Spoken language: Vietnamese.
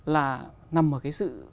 là nằm ở cái sự